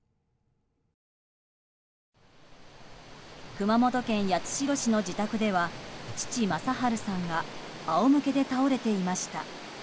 熊本県八代市の自宅では父・正春さんが仰向けで倒れていました。